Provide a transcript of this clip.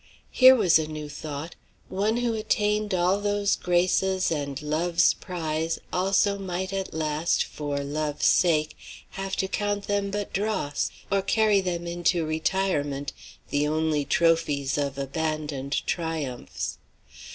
Here was a new thought. One who attained all those graces and love's prize also might at last, for love's sake, have to count them but dross, or carry them into retirement, the only trophies of abandoned triumphs.